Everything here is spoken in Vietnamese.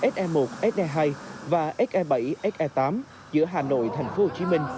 se một se hai và se bảy se tám giữa hà nội thành phố hồ chí minh